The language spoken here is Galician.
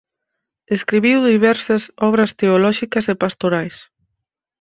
Escribiu diversas obras teolóxicas e pastorais.